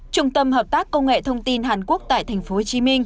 trung tâm hợp tác công nghệ thông tin hàn quốc tại tp hcm